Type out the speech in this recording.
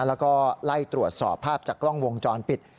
แล้วก็ไล่ตรวจสอบภาพจากกล้องวงจรปิด